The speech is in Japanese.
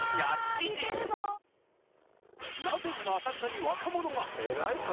なぜ今、浅草に若者が？